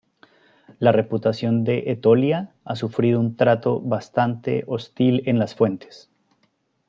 La reputación de Etolia ha sufrido un trato bastante hostil en las fuentes.